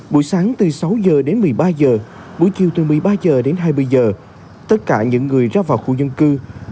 buổi sáng từ sáu h đến một mươi ba h buổi chiều từ một mươi ba h đến hai mươi giờ tất cả những người ra vào khu dân cư